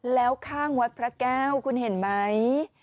แล้วข้างวัดพระแก้วคุณเห็นไหม